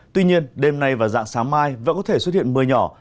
tuy nhiên đêm nay và dạng sáng mai vẫn có thể xuất hiện mưa nhỏ